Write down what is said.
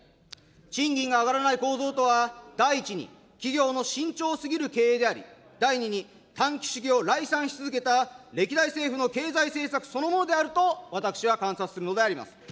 賃金が上がらない構造とは第１に企業の慎重すぎる経営であり、第２に、短期主義を礼賛し続けた歴代政府の経済政策そのものであると私は観察するのであります。